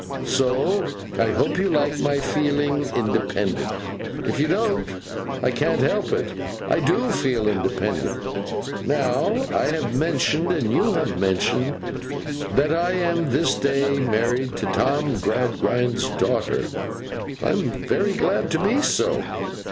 So, I hope you like my feeling independent; if you don't, I can't help it. I do feel independent. Now I have mentioned, and you have mentioned, that I am this day married to Tom Gradgrind's daughter. I am very glad to be so.